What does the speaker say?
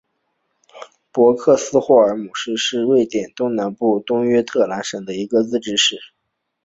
博克斯霍尔姆市是瑞典东南部东约特兰省的一个自治市。